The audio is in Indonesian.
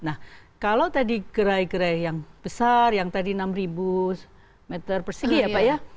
nah kalau tadi gerai gerai yang besar yang tadi enam meter persegi ya pak ya